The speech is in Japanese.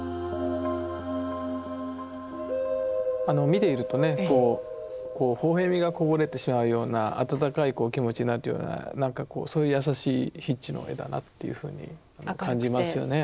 見ているとねこうほほ笑みがこぼれてしまうような温かい気持ちになるようなそういう優しい筆致の絵だなというふうに感じますよね。